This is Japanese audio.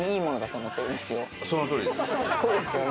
そうですよね。